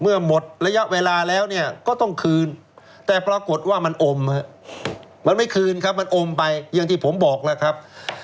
หมดระยะเวลาแล้วเนี่ยก็ต้องคืนแต่ปรากฏว่ามันอมฮะมันไม่คืนครับมันอมไปอย่างที่ผมบอกแล้วครับ